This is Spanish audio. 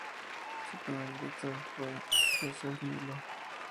Su primer director fue Yosef Milo.